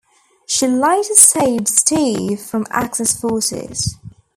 She later saved Steve from Axis forces.